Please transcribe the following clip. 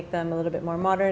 membuatnya sedikit lebih modern